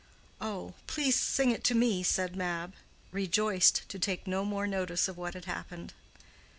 "Oh, please sing it to me," said Mab, rejoiced to take no more notice of what had happened.